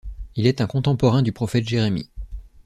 Il est un contemporain du prophète Jérémie.